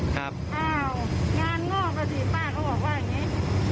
อ้าวงานงอกอ่ะสิป้าเขาบอกว่าอย่างนี้